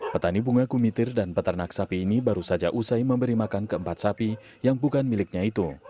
petani bunga kumitir dan peternak sapi ini baru saja usai memberi makan keempat sapi yang bukan miliknya itu